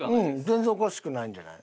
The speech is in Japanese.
全然おかしくないんじゃない？